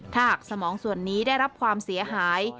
ถ้าหากสมองส่วนนี้ได้รับความเสียหาย